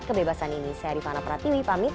kebebasan ini saya rifana pratiwi pamit